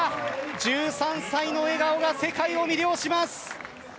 １３歳の笑顔が世界を魅了します。